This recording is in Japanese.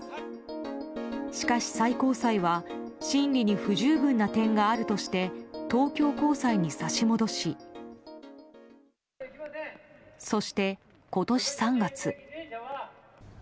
しかし、最高裁は審理に不十分な点があるとして東京高裁に差し戻しそして、今年３月。